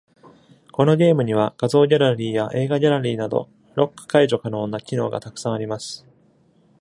このゲームには、画像ギャラリーや映画ギャラリーなど、ロック解除可能な機能がたくさんあります。